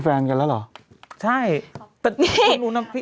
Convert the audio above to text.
ขออีกทีอ่านอีกที